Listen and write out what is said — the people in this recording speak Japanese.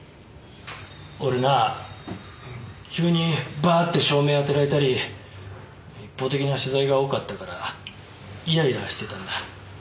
俺な急にバッて照明当てられたり一方的な取材が多かったからイライラしてたんだ。